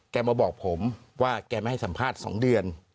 มาบอกผมว่าแกไม่ให้สัมภาษณ์๒เดือน